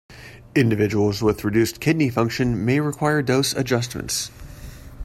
Individuals with reduced kidney function may require dose adjustments.